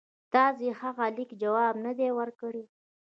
تاسي د هغه د لیک جواب نه دی ورکړی.